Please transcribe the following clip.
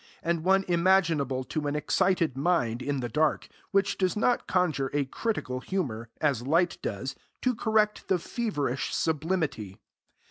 and one imaginable to an excited mind in the dark, which does not conjure a critical humour, as light does, to correct the feverish sublimity.